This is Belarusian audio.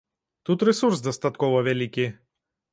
Тут рэсурс дастаткова вялікі.